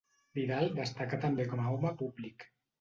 Vidal destacà també com a home públic.